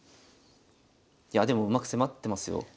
いやでもうまく迫ってますよ。